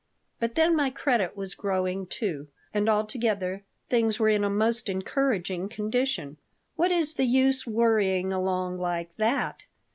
But then my credit was growing, too, and altogether things were in a most encouraging condition "What is the use worrying along like that?"